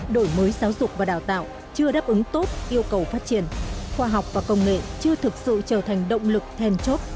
đổi mới giáo dục và đào tạo chưa đáp ứng tốt yêu cầu phát triển khoa học và công nghệ chưa thực sự trở thành động lực thèn chốt